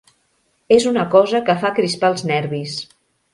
És una cosa que fa crispar els nervis.